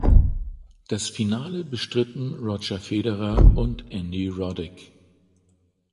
Das Finale bestritten Roger Federer und Andy Roddick.